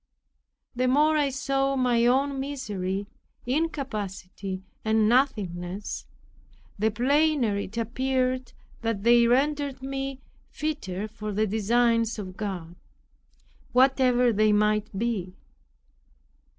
The more I saw my own misery, incapacity and nothingness, the plainer it appeared that they rendered me fitter for the designs of God, whatever they might be.